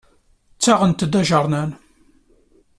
Ttaɣent-d aǧernan.